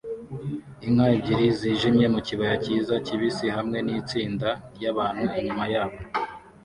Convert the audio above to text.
Inka ebyiri zijimye mu kibaya cyiza kibisi hamwe nitsinda ryabantu inyuma yabo